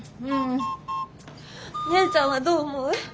お姉ちゃんはどう思う？